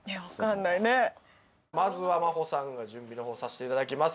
まずはまほさんが準備の方させていただきます。